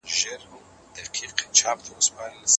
د خطي نسخو لوستل اوس د پخوا په څېر ډېر ستونزمن کار نه دی.